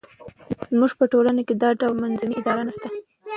زموږ په ټولنه کې دا ډول منظمې ادارې نه شته.